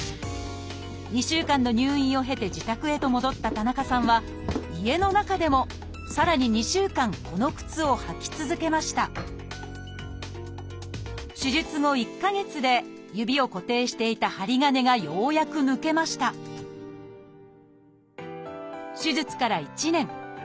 ２週間の入院を経て自宅へと戻った田中さんは家の中でもさらに２週間この靴を履き続けました手術後１か月で指を固定していた針金がようやく抜けました手術から１年。